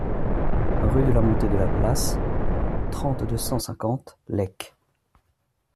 Rue de la Montée de la Place, trente, deux cent cinquante Lecques